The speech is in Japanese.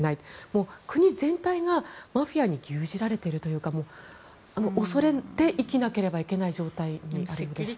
もう国全体がマフィアに牛耳られているというか恐れて生きなければいけない状態になっています。